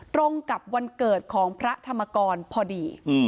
ตรงกับวันเกิดของพระธรรมกรพอดี